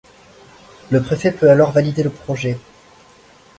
Le préfet peut alors valider le projet.